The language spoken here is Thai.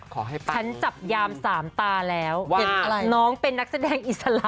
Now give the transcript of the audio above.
ฉันจับยามสามตาแล้วน้องเป็นนักแสดงอิสระ